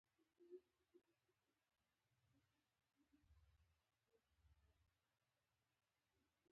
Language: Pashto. هوا نن ډېره ښکلې ده.